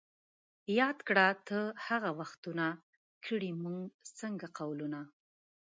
یاد کړه ته هغه وختونه ـ کړي موږ څنګه قولونه